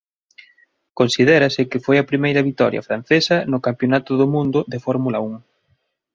Considérase que foi a primeira vitoria francesa no Campionato do Mundo de Fórmula Un.